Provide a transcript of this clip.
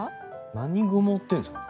何雲っていうんですか？